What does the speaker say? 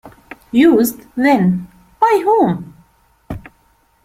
Used, then, by whom?